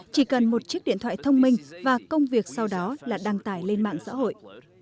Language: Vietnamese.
những điện thoại thông minh và công việc sau đó là đăng tải lên mạng xã hội